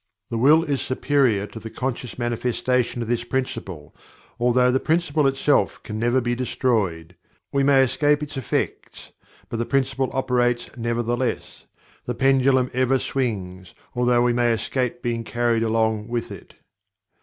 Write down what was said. The Will is superior to the conscious manifestation of this Principle, although the Principle itself can never be destroyed. We may escape its effects, but the Principle operates, nevertheless. The pendulum ever swings, although we may escape being carried along with it.